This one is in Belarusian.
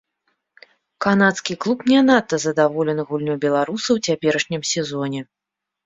Канадскі клуб не надта задаволены гульнёй беларуса ў цяперашнім сезоне.